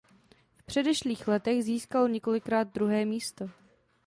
V předešlých letech získal několikrát druhé místo.